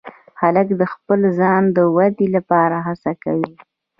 هلک د خپل ځان د ودې لپاره هڅه کوي.